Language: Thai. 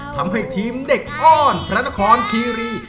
ทำให้ทีมเด็กอ้อนพระนครคีรี